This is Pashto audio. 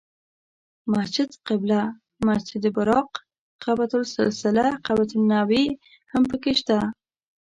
مسجد قبله، مسجد براق، قبة السلسله، قبة النبی هم په کې شته.